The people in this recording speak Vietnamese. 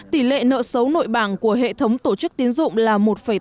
tỷ lệ nợ xấu nội bảng của hệ thống tổ chức tiến dụng là một tám mươi chín